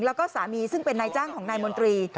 แล้วก็สามีซึ่งเป็นนายจ้างของนายมนตรี